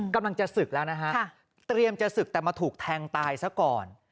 กำลังจะศึกแล้วนะฮะเตรียมจะศึกแต่มาถูกแทงตายซะก่อน